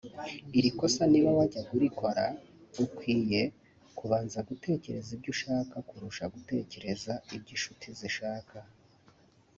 Iri kosa niba wajyaga urikora ukwiye kubanza gutekereza ibyo ushaka kurusha gutekereza ibyo inshuti zishaka